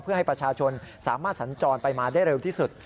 เพื่อให้ประชาชนสามารถสัญจรไปมาได้เร็วที่สุด